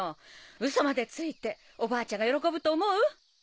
ウソまでついておばあちゃんが喜ぶと思う？